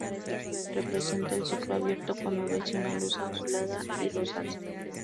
Representa el cielo abierto con nubes y una luz azulada y rosácea.